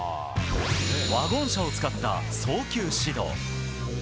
ワゴン車を使った送球指導。